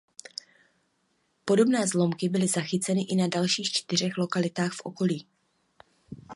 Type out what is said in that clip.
Podobné zlomky byly zachyceny i na dalších čtyřech lokalitách v okolí.